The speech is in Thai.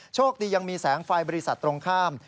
โชคดียังมีแสงไฟบริษัทตรงข้าม